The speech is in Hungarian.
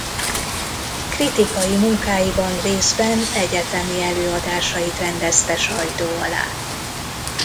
Kritikai munkáiban részben egyetemi előadásait rendezte sajtó alá.